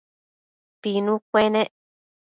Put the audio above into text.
Pinu cuenec